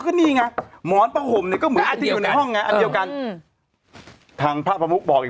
ก็นี่ไงหมอนผ้าห่มเนี่ยก็เหมือนอันที่อยู่ในห้องไงอันเดียวกันอืมทางพระประมุกบอกอีก